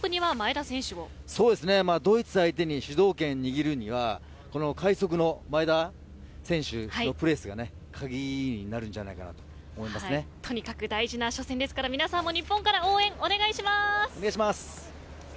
ドイツ相手に主導権を握るには快速の前田選手のプレスが鍵になるんじゃないかなとにかく大事な初戦ですから皆さんも日本から応援お願いします。